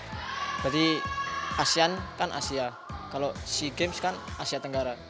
berarti asean kan asia kalau sea games kan asia tenggara